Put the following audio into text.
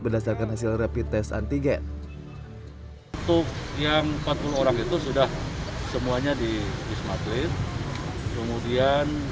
berdasarkan hasil rapid test antigen untuk yang empat puluh orang itu sudah semuanya di wisma atlet kemudian